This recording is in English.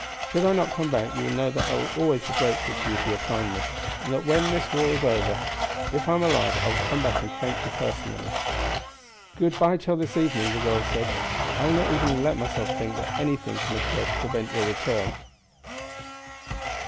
Should I not come back you will know that I shall be always grateful to you for your kindness, and that when this war is over, if I am alive, I will come back and thank you personally." "Good by till this evening!" the girl said. "I will not even let myself think that anything can occur to prevent your return."